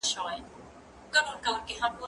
زه به اوږده موده نان خوړلی وم؟!